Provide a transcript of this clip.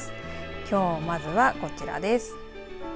きょう、まずはこちらです。